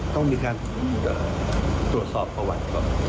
ต้องมีการตรวจสอบประวัติก่อน